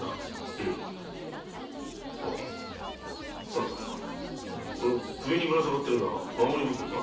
三太この首にぶらさがっているのは守り袋か？